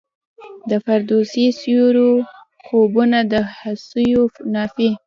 د فردوسي سیورو خوبونه د هوسیو نافي